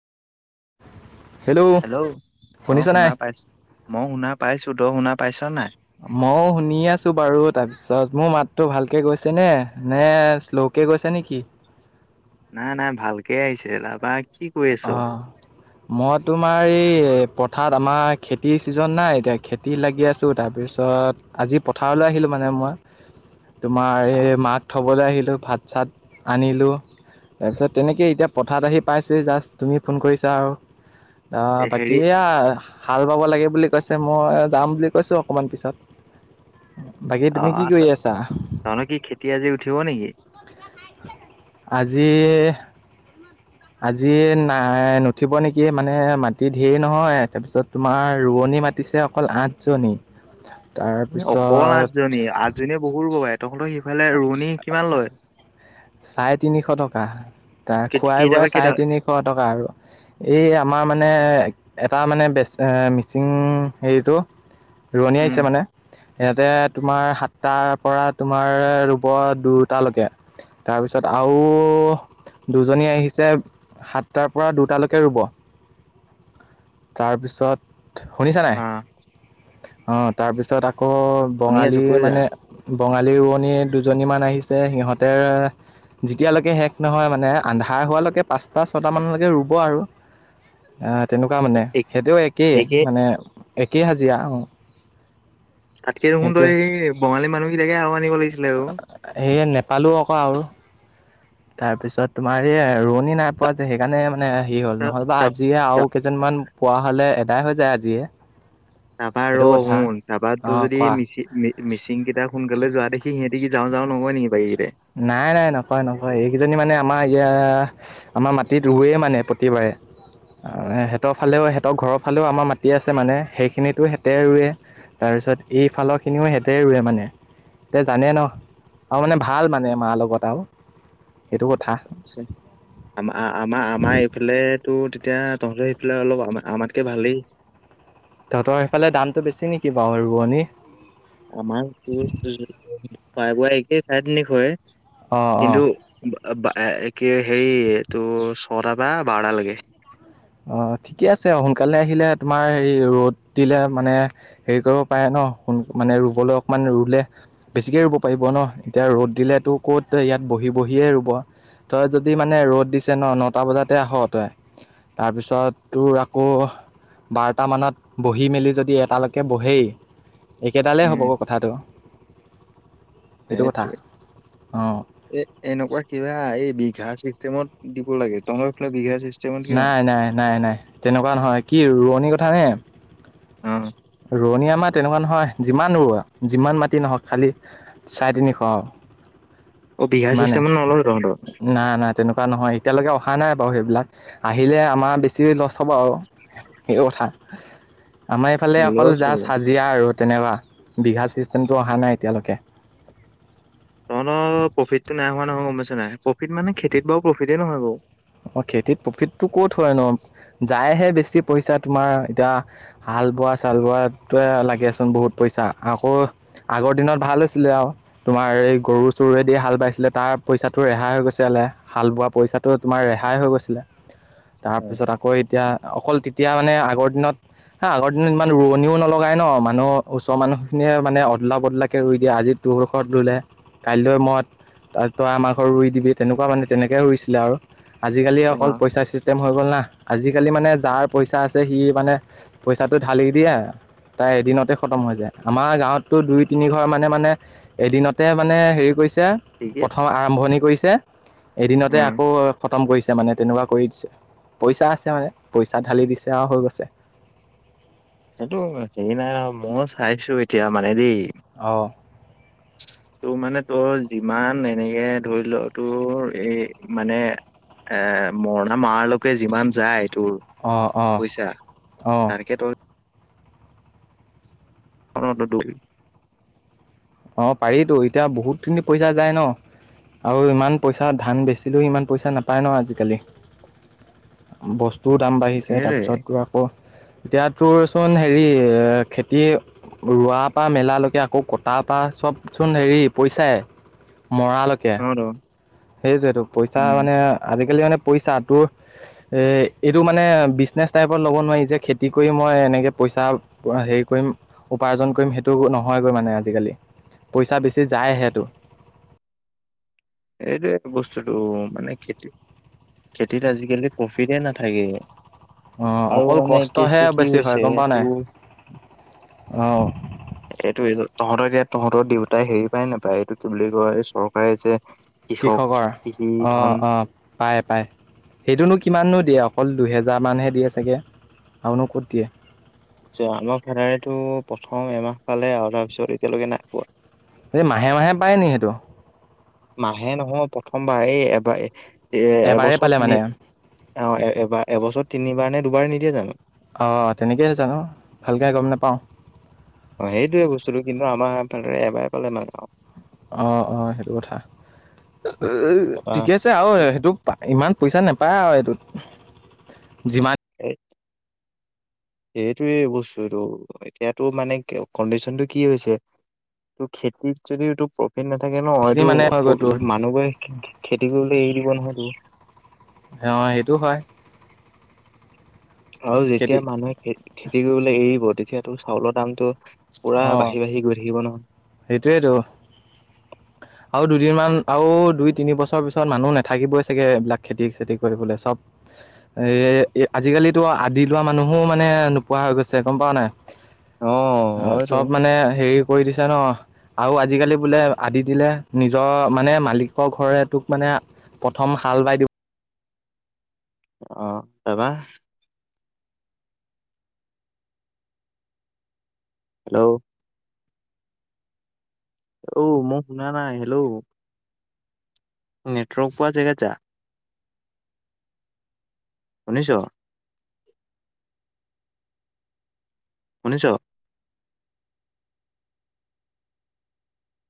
Hello hello অ শুনিছা নে শুনা পাইছো মই শুনা পাইছো ত শুনা পাইছ নাই মইও শুনি আছো বাৰু তাৰপিছত মোৰ মাততো ভালকে গৈছে নে নে শ্লোক কে গৈছে নেকি নাই নাই ভালকে আহিছে ৰাবাক অ মই তোমাৰ এই পথাৰত আমাৰ খেতিৰ চিজন নাই এতিয়া খেতি খেতিত লাগি আছোঁ তাৰপিছত আজি পথাৰলৈ আহিলোঁ মানে মই [unintelligible] তোমাৰ এই মাত থ'বলৈ আহিলোঁ ভাত চাত আনিলোঁ তাৰপিছত তেনেকেই এতিয়া পথাৰত আহি পাইছে জাষ্ট তুমি ফোন কৰিছা আৰু এ হেৰি বাকীয়া হাল বাব লাগে বুলি কৈছে মই যাম বুলি কৈছোঁ অকণমান পিছত বাকী অ তুমি কি কৰি আছা তহতৰ কি খেতি আজি উঠিব নেকি আজি আজি নাই নুঠিব নেকি মানে মাটি ধেৰ নহয় তাৰপিছত তোমাৰ ৰোৱনি মাতিছে অকল আঠজনী তাৰপিছত জনী আঠজনীয়ে বহুত ৰোৱে পাৰে তহঁতৰ সিফালে ৰোৱনী কিমান লয় চাৰে তিনিশ টকা তাৰ খোৱাই কেইটা পা বোৱাই কেইটা চাৰে তিনিশ টকা আৰু এই আমাৰ মানে এটা মানে বেচ মিচিং হেৰিটো ৰোৱণী উম আহিছে মানে ইয়াতে তোমাৰ সাতটাৰ পৰা তোমাৰ ৰোব দুটালৈকে তাৰপিছত আৰু দুজনী আহিছে সাতটাৰ পৰা দুটালৈকে ৰুব তাৰপিছত শুনিছা অ নাই অঁ তাৰপিছত আকৌ শুনি আছো বঙালী কৈ যা মানে বঙালী ৰোৱনী দুজনীমান আহিছে সিহঁতে যেতিয়ালৈকে শেষ নহয় মানে আন্ধাৰ হোৱালৈকে পাঁচটা ছয়টা মানলৈকে ৰুব আৰু আহ তেনেকুৱা মানে সেইটোও একেই একে মানে একেই হাজিৰা তাতকে দেখোন সেইটোৱে তই সেই বঙালী মানুহকেইাকে আৰু আনিব লাগিছিলে আৰু সে নেপালোঁ আকৌ আৰু তাৰপিছত তোমাৰ এই ৰোৱনী নাই পোৱা যায় সেইকাৰণে মানে হেৰি হ'ল নহ'লেবা তা আজিয়ে আৰু কেইজনমান পোৱা হলে এদাই হৈ যায় আজিয়ে তাপা ৰ সেইটো কথা শুন [unintelligible] অঁ যদি কোৱা মিচি মিচিং কেইটা সোনকালে যোৱা দে কি সিহঁতি যাওঁ যাওঁ নকৈ নেকি বাৰীতে নাই নাই নকয় নকয় এইকেইজনী মানে আমাৰ ইয়াৰ আমাৰ মাটিত ৰোৱে মানে প্ৰতিবাৰে আৰু সিহতৰালেও সিহঁৰ ঘৰৰ ফালেও আমাৰ মাটি আছে মানে সেইখিনিতো সেতে ৰুৱে তাৰপিছত এইফালৰ খিনিও হেতে ৰুৱে মানে এতিয়া জানে ন আৰু মানে ভাল মানে মাৰ লগত আৰু সেইটো কথা চল আম আমাৰ আমাৰ এইফালে তো তেতিয়া তহঁতেৰ সেইফালে অলপ আমাতকে ভালেই তহতৰ সেইফালে দামটো বেছি নেকি বাৰু আৰু ৰোৱনী আমাৰ [unintelligible] খোৱা বোৱা একেই চাৰে টিনিশ অঁ অঁ কিন্তু বা বা কি হেৰি তোৰ ছটা বা বাৰটালেকে অ ঠিকে আছে সোনকালে আহিলে তোমাৰ হেৰি ৰ'দ দিলে মানে হেৰি কৰিব পাৰে ন মানে ৰুবলৈ অকমান ৰুলে বেছিকে ৰুব পাৰিব ন এতিয়া ৰ'দ দিলেতো ক'ত ইয়াত বহি বহিয়ে ৰুব তই যদি মানে ৰ'দ দিছে ন নটা বজাতে আহ তই তাৰপিছত তোৰ আকৌ বাৰটামানত বহি মেলি যদি এটালৈকে বহেই একেডালেই হ'ব উম। অ কথাটো সেইটো কথা সেইটোৱে অঁ এ এনেকোৱা কিবা এই বিঘা চিষ্টেমত দিব লাগে তহঁতৰ তই বিঘাি চিষ্টেমত কিমান? নাই নাই নাই নাই তেনেকোৱা নহয় কি ৰোৱনীৰ কথা নে অ ৰোৱনী আমাৰ তেনেকোৱা নহয় যিমান ৰোৱা যিমান মাটি নহওক খালি চাৰে তিনিশ অ অ বিঘা চিষ্টেম নলয় তহঁতৰ নাই নাই তেনেকোৱা নহয় এতিয়ালৈকে অহা নাই বাৰু সেইবিলাক আহিলে আমাৰ বেছি লছ হ'ব আৰু সেইটো কথা আমাৰ এইফালে অ লছ হ'ব। জীয়া আৰু তেনেকোৱা বিঘা চিষ্টেমটো অহা নাই এতিয়ালৈকে। তহঁতৰ প্ৰফিটতো নাই হোৱা নহয় গম পাইছা নাই প্ৰফিট মানে খেতিত বাৰু প্ৰফিটে নহয় বাৰু। অ খেতিত প্ৰফিটতো ক'ত হয় নো যায়হে বেছি পইচা তোমাৰ এতিয়া হাল বোৱা চাল বোৱাটোৱে লাগে চোন বহুত পইচা আকৌ আগৰ দিনত ভাল হৈছিলে আও তোমাৰ এই গৰু চৰুৱেদি হাল বাইছিলে তাৰ পইছাটো ৰেহাই হৈ গৈছিলে হাল বোৱা পইছাটোত তোমাৰ ৰেহাই হৈ গৈছিলে অ', তাৰপিছত আকৌ এতিয়া অকল তেতিয়া মানে আগৰ দিনত হা আগৰ দিনত ইমান ৰোৱনীও নলগাই ন মানুহ ওচৰ মানুহখিনিয়ে মানে অদলা বদলাকে ৰুই দিয়ে আজি তোৰ ঘৰত ৰুলে কাইলৈ মত তাৰপৰা আমাৰ ঘৰত ৰুই দিবি তেনেকোৱা মানে তেনেকে ৰুইছিলে আৰু। আজিকালি অকল পইচা চিষ্টেম হৈ গ'ল না আজিকালি মানে যাৰ পইচা আছে সি মানে পইছাটো ঢালি দিয়া তাই এদিনতে খতম হৈ যায় আমাৰ গাৱতত দুই তিনি ঘৰ মানে মানে এদিনতে মানে হেৰি কৰিছে ঠিকে প্ৰথম আৰম্ভণি কৰিছে এদিনতে উম। আকৌ খতম কৰিছে মানে তেনেকোৱা কৰি দিছে পইছা আছে মানে পইছা ঢালি দিছে আৰু হৈ গৈছে। এইটো হেৰি নাই আৰু মও চাইছো এতিয়া মানে দেই। অ [unintelligible] তোৰ মানে তোৰ যিমান এনেকে ধৰি ল তোৰ এই মানে এ মৰণা মাৰালৈকে যিমান যায় তোৰ অ অ পইচা অ তেনেকে তই অ তো তো অ পাৰিতো এতিয়া বহুতখিনি পইছা যায় ন। আৰু ইমান পইছা ধান বেচিলেও ইমান পইচা নাপায় ন আজিকালি। বস্তুৰ দাম বাঢ়িছে সেইটোৱে তাৰপিছতো আও এতিয়া তোৰচোন হেৰি এ খেতিয়ে ৰোৱা পৰা মেলালৈকে আকৌ ক তাৰপৰা চবচোন হেৰি পইচাই মৰালৈকে। ৰ সেইটোৱেটো পইচা মানে আজিকালি মানে পইচা তোৰ এইটো মানে বিজনেছ টাইপত ল'ব নোৱাৰি যে খেতি কৰি মই এনেকৈ পইচা হেৰি কৰিম উপাৰ্জন কৰিম সেইটো নহয়গৈ মানে আজিকালি। পইচা বেছি যায় সেইটো। এইটোৱে বস্তুটো মানে খেতি খেতিত আজিকালি প্ৰফিতে নাথাকে। অঁ আৰু অকল মানে কষ্টহে কেচটো কি বেছি হয় হৈছে গম পাৱ নাই তোৰ অঁ এইটো তহঁতকে তহঁতৰ দেউতাই হেৰি পায় নোপায় এইটো কি বুলি কয় এই চৰকাৰে যে কৃষক কৃষকৰ কৃষি অহ ধন অহ পাই পাই সেইটোনো কিমানো দিয়ে অকল দুহেজাৰ মানহে দিয়ে চাগে? আৰু নো কত দিয়ে। জা আমাৰ ফেডাৰেটো প্ৰথম এমাহ পালে আৰু তাৰপিছত এতিয়ালৈকে নাই পোৱা। এই মাহে মাহে পায় নি সেইটো? মাহে নহয় প্ৰথমবাৰ এই এবাৰ এ এবাৰেই এবছৰ পালে মানে তিনি অ এবাৰ এবছৰ তিনিবাৰ নে দুবাৰ নিদিয়ে জানোঁ? অঁ তেনেকয়ে জানো ভালকে গম নাপাওঁ। অ সেইটোয়ে বস্তুটো কিন্তু আমাৰ ফাদাৰে এবাৰ পালে [unintelligible] অ অ সেইটো কথা তাৰপা ঠিকে আছে আৰু সেইটোক ইমান পইচা নেপায় আৰু এইটোত যিমান এই এইটোৱে বস্তুটো এতিয়াতো মানে কণ্ডিচন টো কি হৈছে ত খেতিত যদিটো প্ৰ ফিট নাথাকে ন সেইখিনি এইটো মানে হৈ গৈ তোৰ মানুহবোৰে খেতি কৰিলে এৰি দিব নহয় তোৰ। অ সেইটো হয়। আৰু খেতি যেতিয়া মানুহে খেতি কৰিবলৈ এৰিব তেতিয়াতো চাউলৰ দামতটো পুৰা বাঢ়ি বাঢ়ি গৈ থাকিব নহ। সেইটোৱেইেতো। [inaudible] আৰু দুদিনমান আৰু দুই তিনি বছৰ পিছত মানুহ নাথাকিবই চাগে এইবিলাক খেতি চেতি কৰিবলৈ চব। এ আজিকালিতো আদি লোৱা মানুহো মানে নোপোৱা হৈ গৈছে, গম পাৱ নাই? অ অ হয়তো। চব মানে হেৰি কৰি দিছো ন। আৰু আজিকালি বোলে আদি দিলে নিজৰ মানে মালিকৰ ঘৰে তোক মানে প্ৰথম হাল বাই দি অ তাপা? হেল্ল'। অঔ মই শুনা নাই, হেল্ল'। নেটৱৰ্ক পোৱা জেগা যায়। শুনিছ? শুনিছ।